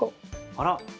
あら。